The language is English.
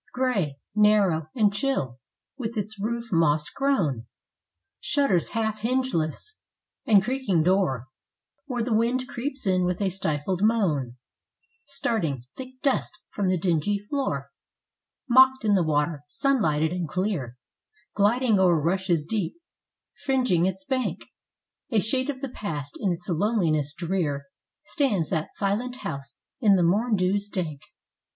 G REY, narrow, and chill, with its roof moss grown, Shutters half hingeless, and creaking door, Where the wind creeps in with a stifled moan, Starting thick dust from the dingy floor, — Mocked in the water, sunlighted and clear, Gliding o'er rushes deep, fringing its bank ; A shade of the Past, in its loneliness drear, Stands that silent house, in the morn dews dank.